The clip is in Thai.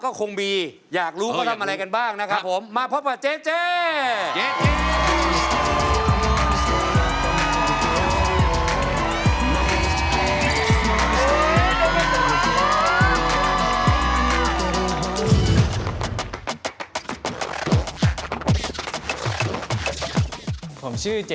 หรือคุณชอบทำอาหารประเภทไหนมากสุด